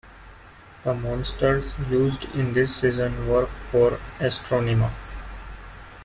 The monsters used in this season work for Astronema.